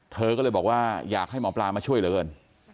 เธอก็เลยบอกว่าอยากให้หมอปลามาช่วยเหลือเกิน